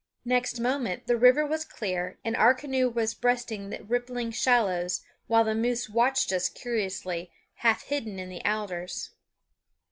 Next moment the river was clear and our canoe was breasting the rippling shallows, while the moose watched us curiously, half hidden in the alders.